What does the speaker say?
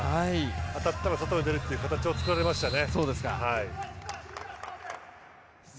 当たったら外に出る形を作られましたね。